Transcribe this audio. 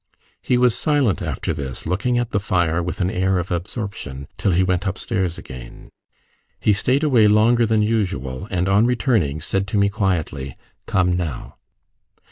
He was silent after this, looking at the fire with an air of absorption, till he went upstairs again. He stayed away longer than usual, and on returning, said to me quietly, "Come now."